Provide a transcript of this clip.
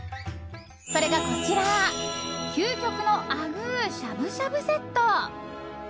それがこちら、究極のあぐーしゃぶしゃぶセット。